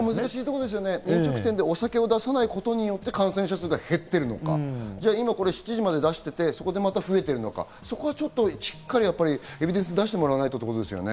飲食店でお酒を出さないことによって感染者が減っているのか、７時まで出していて、そこで増えているのか、しっかりエビデンスを出してもらわないとってことですね。